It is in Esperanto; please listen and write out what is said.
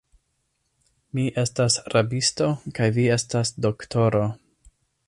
Mi estas rabisto, kaj vi estas doktoro.